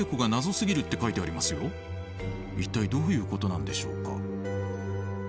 一体どういうことなんでしょうか？